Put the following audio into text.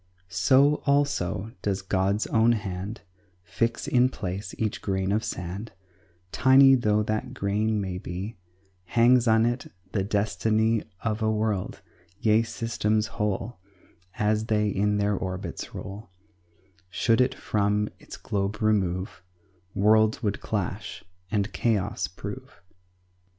So, also, does God's own hand Fix in place each grain of sand, Tiny though that grain may be Hangs on it the destiny Of a world, yea, systems whole, As they in their orbits roll; Should it from its globe remove, Worlds would clash and chaos prove.